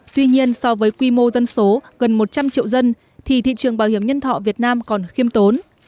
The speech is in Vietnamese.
tuy nhiên so với quy mô dân số gần một trăm linh triệu dân thì thị trường bảo hiểm nhân thọ việt nam còn khiêm tốn